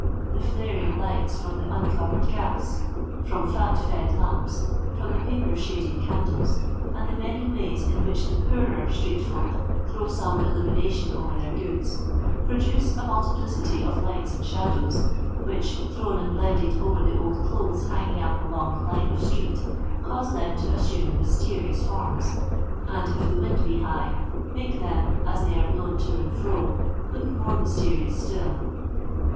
The flaring lights from uncovered gas, from fat fed lamps, from the paper shaded candles, and the many ways in which the poorer street folk throw some illumination over their goods, produce a multiplicity of lights and shadows, which, thrown and blended over the old clothes hanging up along the line of street, cause them to auume mysterious forms, and if the wind be high make them, as they are blown to and fro, look more mysterious still.